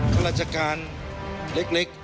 ฆาตราชการเล็ก